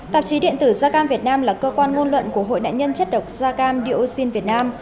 tạp chí điện tử gia cam việt nam là cơ quan ngôn luận của hội nạn nhân chất độc da cam dioxin việt nam